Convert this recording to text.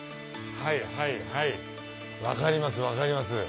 はいはいはい分かります分かります。